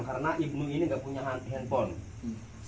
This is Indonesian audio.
karena ibnu ini tidak punya handphone